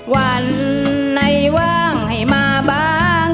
วันไหนว่างให้มาบ้าง